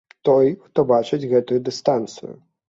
Той, хто бачыць гэтую дыстанцыю.